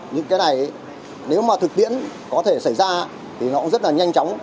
những cái này nếu mà thực tiễn có thể xảy ra thì nó cũng rất là nhanh chóng